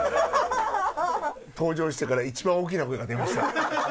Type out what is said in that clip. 登場してから一番大きな声が出ました。